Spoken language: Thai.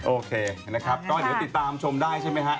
โอเคนะครับก็เหลือติดตามชมได้ใช่ไหมครับ